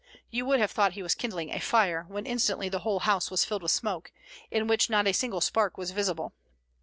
You would have thought he was kindling a fire, when instantly the whole house was filled with smoke, in which not a single spark was visible.